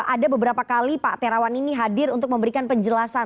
ada beberapa kali pak terawan ini hadir untuk memberikan penjelasan